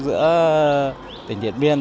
giữa tỉnh điện biên